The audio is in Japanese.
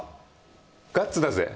『ガッツだぜ‼』